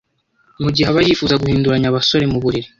mugihe aba yifuza guhinduranya abasore mu buriri